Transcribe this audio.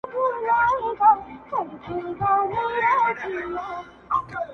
لکه د خره په غوږ کي چي ياسين وائې.